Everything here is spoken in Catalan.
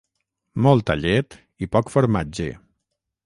Molta llet i poc formatge.